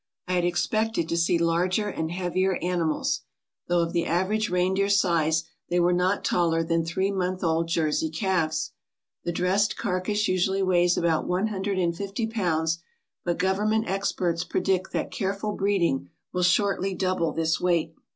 I had expected to see larger and heavier animals. Though of the average reindeer size they were not taller than three month old Jersey calves. The dressed carcass usually weighs about one hundred and fifty pounds, but government experts predict that careful breeding will shortly double this weight.